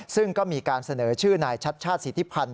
ซึ่งก็มีการเสนอชื่อนายชัดชาติสิทธิพันธ์